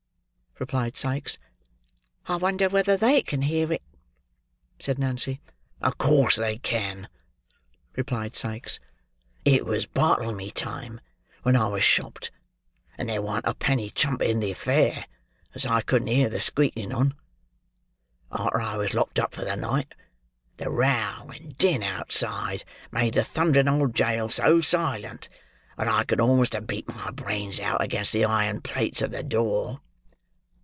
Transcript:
replied Sikes. "I wonder whether they can hear it," said Nancy. "Of course they can," replied Sikes. "It was Bartlemy time when I was shopped; and there warn't a penny trumpet in the fair, as I couldn't hear the squeaking on. Arter I was locked up for the night, the row and din outside made the thundering old jail so silent, that I could almost have beat my brains out against the iron plates of the door."